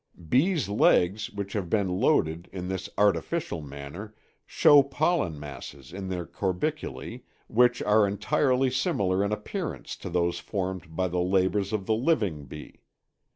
Bees' legs which have been loaded in this artificial manner show pollen masses in their corbiculæ which are entirely similar in appearance to those formed by the labors of the living bee.